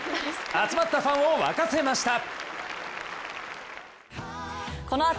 集まったファンを沸かせました。